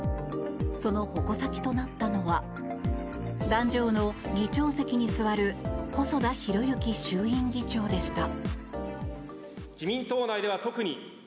その矛先となったのは壇上の議長席に座る細田博之衆院議長でした。